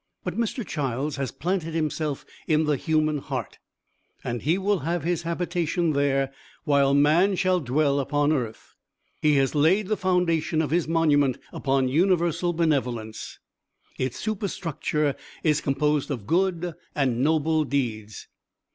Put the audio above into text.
But Mr. Childs has planted himself in the human heart, and he will have his habitation there while man shall dwell upon earth. He has laid the foundation of his monument upon universal benevolence. Its superstructure is composed of good and noble deeds.